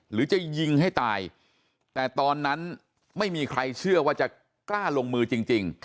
หรือจะยิงให้ตายแต่ตอนนั้นไม่มีใครเชื่อว่าจะกล้าลงมือจริง